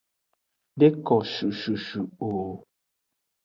De ko cucucu o.